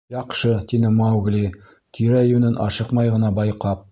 — Яҡшы, — тине Маугли, тирә-йүнен ашыҡмай ғына байҡап.